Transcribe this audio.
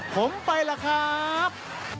ผมไปล่ะครับ